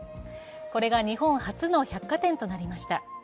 これが日本初の百貨店となりました。